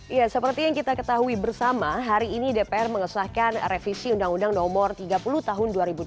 ya seperti yang kita ketahui bersama hari ini dpr mengesahkan revisi undang undang nomor tiga puluh tahun dua ribu dua belas